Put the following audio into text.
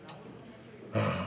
ああ。